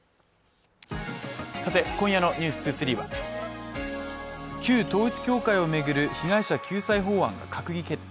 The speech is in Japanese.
さて今夜の「ｎｅｗｓ２３」は旧統一教会をめぐる被害者救済法案が閣議決定